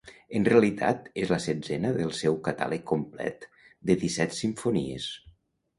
En realitat és la setzena del seu catàleg complet de disset simfonies.